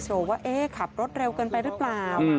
โชว์ว่าเอ๊ขับรถเร็วเกินไปรึเปล่า